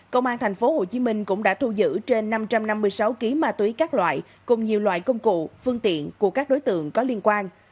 công an tp hcm cũng đã thu giữ trên năm trăm năm mươi sáu ký ma túy các loại cùng nhiều loại công cụ phương tiện của các đối tượng có liên quan